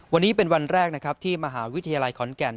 วันนี้เป็นวันแรกนะครับที่มหาวิทยาลัยขอนแก่น